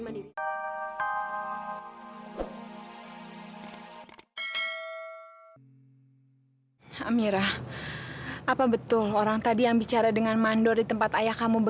dia itu orang kepercayaannya mas prabu